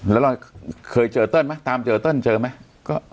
แล้วเราเคยเจอเติ้ลไหมตามเจอเติ้ลเจอไหม